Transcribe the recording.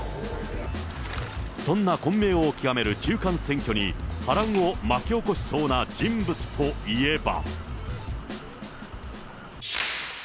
そんな混迷を極める中間選挙に、波乱を巻き起こしそうな人物といえば。